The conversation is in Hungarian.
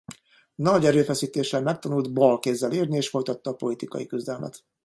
Nagy erőfeszítéssel megtanult bal kézzel írni és folytatta a politikai küzdelmet.